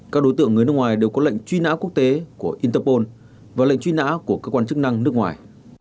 các đối tượng người nước ngoài đều có lệnh truy nã quốc tế của interpol và lệnh truy nã của cơ quan chức năng nước ngoài